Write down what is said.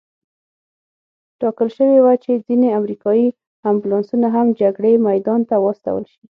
ټاکل شوې وه چې ځینې امریکایي امبولانسونه هم جګړې میدان ته واستول شي.